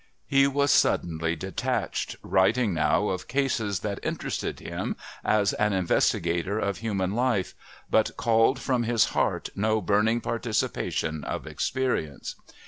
He was suddenly detached, writing now of "cases" that interested him as an investigator of human life, but called from his heart no burning participation of experience.